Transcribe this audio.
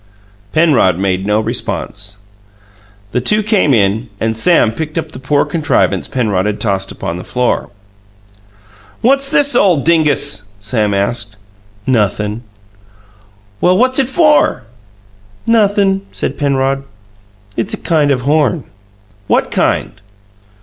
Penrod made no response. The two came in, and Sam picked up the poor contrivance Penrod had tossed upon the floor. "What's this ole dingus?" Sam asked. "Nothin'." "Well, what's it for?" "Nothin'," said Penrod. "It's a kind of a horn." "What kind?"